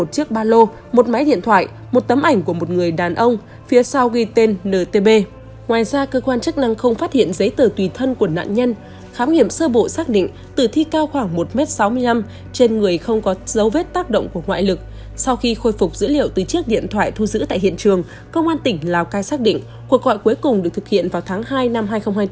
công an tỉnh lào cai xác định cuộc gọi cuối cùng được thực hiện vào tháng hai năm hai nghìn hai mươi bốn